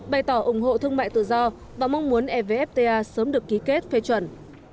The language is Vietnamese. bày tỏ ủng hộ thương mại tự do và mong muốn evfta sớm được ký kết phê chuẩn